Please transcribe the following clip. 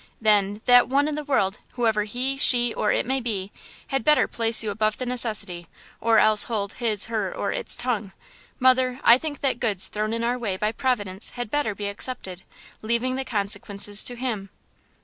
"Then that 'one in the world,' whoever he, she, or it may be, had better place you above the necessity, or else hold his, her, or its tongue! Mother, I think that goods thrown in our way by Providence had better be accepted, leaving the consequences to Him!"